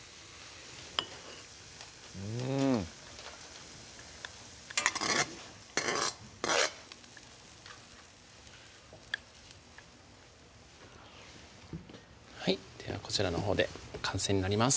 うんはいではこちらのほうで完成になります